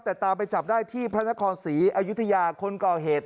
แต่ตามไปจับได้ที่พระนครศรีอยุธยาคนก่อเหตุ